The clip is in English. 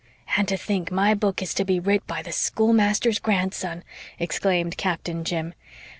"And to think my book is to be writ by the schoolmaster's grandson!" exclaimed Captain Jim.